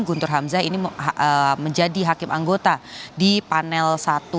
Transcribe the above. guntur hamzah ini menjadi hakim anggota di panel satu